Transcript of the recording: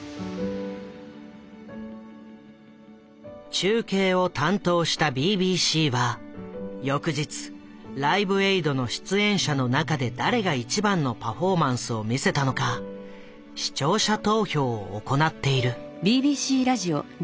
中継を担当したＢＢＣは翌日「ライブエイド」の出演者の中で誰が一番のパフォーマンスを見せたのか視聴者投票を行っている。